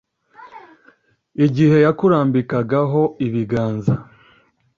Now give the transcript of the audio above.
igihe yakurambikagaho ibiganza